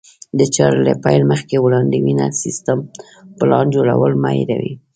د چارې له پيل مخکې وړاندوینه، سيستم، پلان جوړول مه هېروئ.